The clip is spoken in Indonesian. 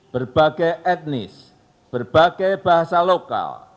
berbagai etnis berbagai bahasa lokal